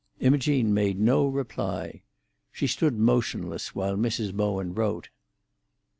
Imogene made no reply. She stood motionless while Mrs. Bowen wrote.